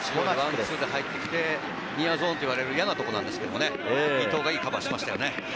ワンツーで入ってきて、ニアゾーンといわれる嫌なところなんですけど、伊藤がうまくかわしました。